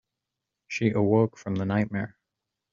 She awoke from the nightmare.